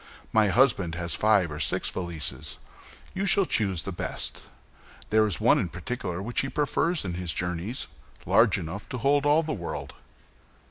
"My husband has five or six valises; you shall choose the best. There is one in particular which he prefers in his journeys, large enough to hold all the world."